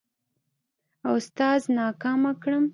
اوستاذ ناکامه کړمه.